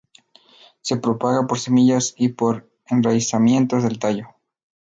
Se propaga por semillas y por enraizamiento del tallo.